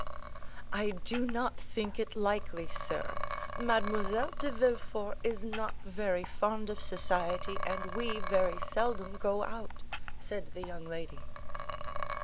"I do not think it likely, sir; Mademoiselle de Villefort is not very fond of society, and we very seldom go out," said the young lady.